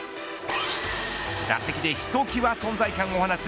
打席でひときわ存在感を放つ